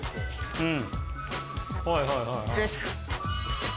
うん。